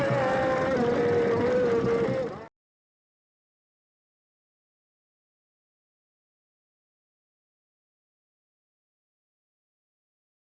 selamat menyambut bulan suci ramadhan